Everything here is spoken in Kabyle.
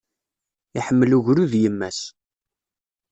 Iḥemmel ugrud yemma-s.